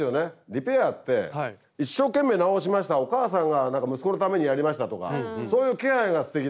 リペアって一生懸命直しましたお母さんが息子のためにやりましたとかそういう気配がすてきなわけ。